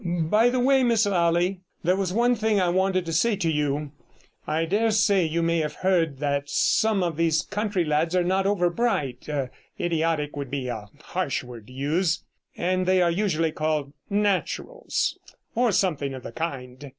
'By the way, Miss Lally, there was one thing I wanted to say to you. I dare say you may have heard that some of these country lads are not over bright; idiotic would be a harsh word to use, and they are usually called "naturals", or something of the kind.